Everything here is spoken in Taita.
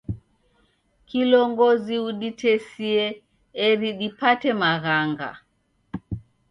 Kilongozi uditesie eri dipate maghanga.